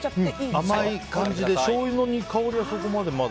甘い感じでしょうゆの香りはそこまで。